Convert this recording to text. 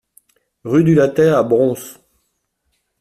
Rue du Lattay à Broons